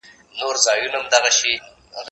زه اوس مينه څرګندوم،